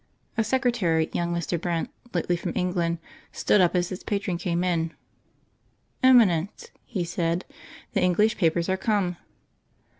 A secretary, young Mr. Brent, lately from England, stood up as his patron came in. "Eminence," he said, "the English papers are come."